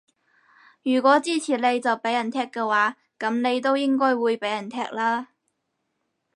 如果支持你就畀人踢嘅話，噉你都應該會畀人踢啦